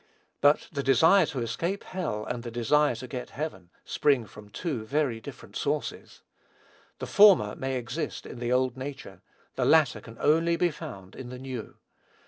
But the desire to escape hell, and the desire to get heaven, spring from two very different sources. The former may exist in the old nature; the latter can only be found in the new.